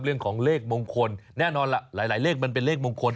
เรื่องของเลขมงคลแน่นอนล่ะหลายเลขมันเป็นเลขมงคล